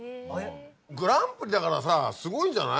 グランプリだからさすごいんじゃない？